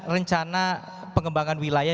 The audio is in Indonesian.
rencana pengembangan wilayah